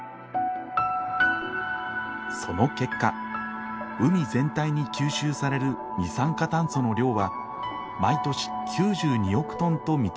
その結果海全体に吸収される二酸化炭素の量は毎年９２億トンと見積もられる。